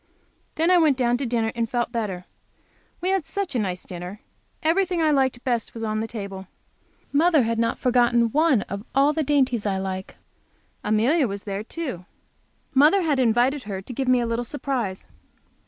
Then I went down to dinner and felt better. We had such a nice dinner! Everything I liked best was on the table. Mother had not forgotten one of all the dainties I like. Amelia was there too. Mother had invited her to give me a little surprise.